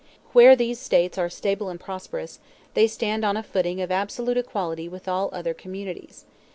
Where these states are stable and prosperous, they stand on a footing of absolute equality with all other communities.